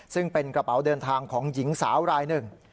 ซึ่งเป็นกระเป๋าเดินทางของหญิงสาวรายหนึ่ง